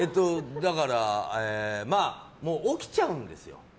だから起きちゃうんですよ。